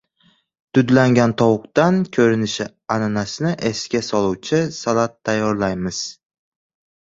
Dudlangan tovuqdan ko‘rinishi ananasni esga soluvchi salat tayyorlaymiz